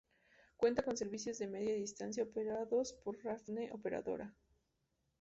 Cuenta con servicios de media distancia operados por Renfe Operadora.